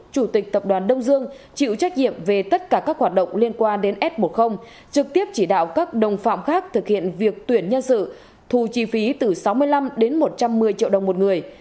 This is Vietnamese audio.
chủ tịch tập đoàn đông dương chịu trách nhiệm về tất cả các hoạt động liên quan đến f một trực tiếp chỉ đạo các đồng phạm khác thực hiện việc tuyển nhân sự thu chi phí từ sáu mươi năm đến một trăm một mươi triệu đồng một người